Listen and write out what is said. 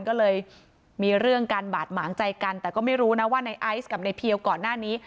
ก็เลยมีเรื่องการบาดหมางใจกันแต่ก็ไม่รู้นะว่าในไอซ์กับในเพียวก่อนหน้านี้